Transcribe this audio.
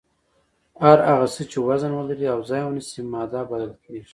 هر هغه څه چې وزن ولري او ځای ونیسي ماده بلل کیږي.